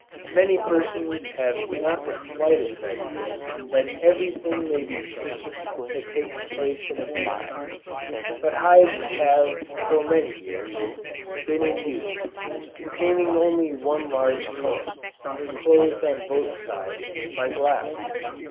Many persons have not the slightest idea that every thing may be seen that takes place in a bee hive. But hives have for many years, been in use, containing only one large comb, enclosed on both sides, by glass.